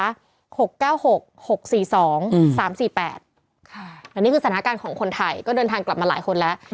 อันนี้คือสถานการณ์ของคนไทยก็เดินทางกลับมาหลายคนแล้ว